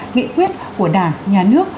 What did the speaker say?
nghị quyết của đảng nhà nước